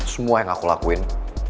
semua yang aku lakuin